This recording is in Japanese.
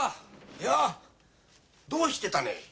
やぁどうしてたね？